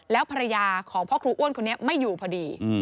แล้วภรรยาของพ่อครูอ้วนคนนี้ไม่อยู่พอดี